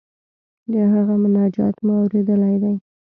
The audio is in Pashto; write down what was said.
د هغه مناجات مو اوریدلی دی.